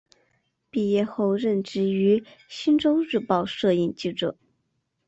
毕业后任职于星洲日报摄影记者。